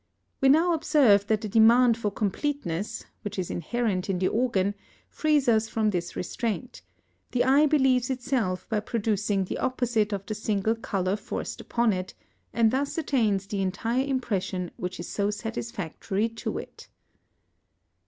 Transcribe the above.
We now observe that the demand for completeness, which is inherent in the organ, frees us from this restraint; the eye relieves itself by producing the opposite of the single colour forced upon it, and thus attains the entire impression which is so satisfactory to it.